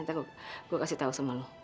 ntar gue kasih tau sama lo